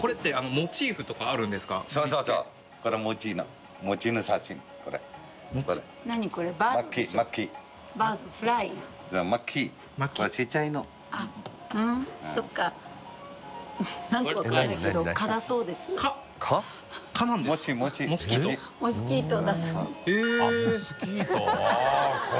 モスキートあぁ。